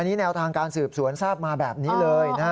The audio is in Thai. อันนี้แนวทางการสืบสวนทราบมาแบบนี้เลยนะฮะ